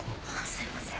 すいません。